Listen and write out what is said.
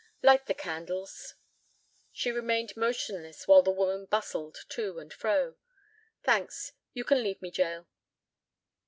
"Light the candles." She remained motionless while the woman bustled to and fro. "Thanks. You can leave me, Jael."